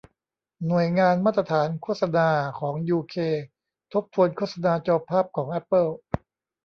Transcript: หน่วยงานมาตรฐานโฆษณาของยูเค ทบทวนโฆษณาจอภาพของแอปเปิล